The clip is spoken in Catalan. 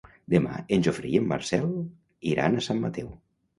Demà en Jofre i en Marcel iran a Sant Mateu.